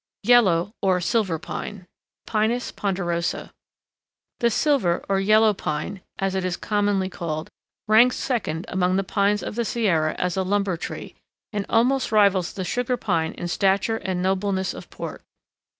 YELLOW, OR SILVER PINE (Pinus ponderosa) The Silver, or Yellow, Pine, as it is commonly called, ranks second among the pines of the Sierra as a lumber tree, and almost rivals the Sugar Pine in stature and nobleness of port.